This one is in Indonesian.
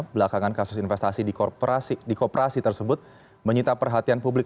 belakangan kasus investasi di kooperasi tersebut menyita perhatian publik